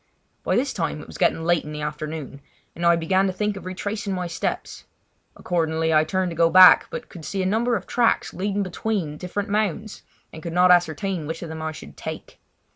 By this time it was getting late in the afternoon, and I began to think of retracing my steps. Accordingly I turned to go back, but could see a number of tracks leading between different mounds and could not ascertain which of them I should take.